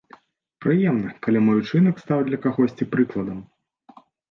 Прыемна, калі мой учынак стаў для кагосьці прыкладам.